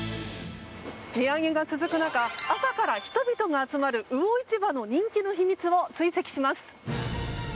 値上げが続く中朝から人々が集まる魚市場の人気の秘密を追跡します。